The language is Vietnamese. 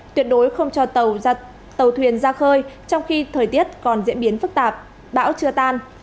tuyệt đối không cho tàu thuyền ra khơi trong khi thời tiết còn diễn biến phức tạp bão chưa tan